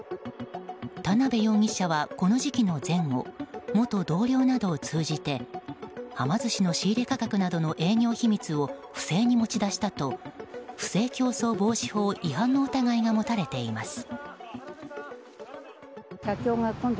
田辺容疑者はこの時期の前後元同僚などを通じてはま寿司の仕入れ価格などの営業秘密を不正に持ち出したと不正競争防止法違反の疑いが持たれています。